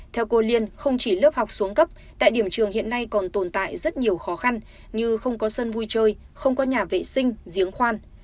theo cô liên không chỉ lớp học xuống cấp tại điểm trường hiện nay còn tồn tại rất nhiều khó khăn như không có sân vui chơi không có nhà vệ sinh giếng khoan